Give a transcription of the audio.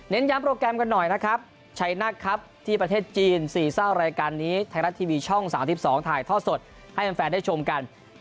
ย้ำโปรแกรมกันหน่อยนะครับชัยนักครับที่ประเทศจีน๔เศร้ารายการนี้ไทยรัฐทีวีช่อง๓๒ถ่ายท่อสดให้แฟนได้ชมกัน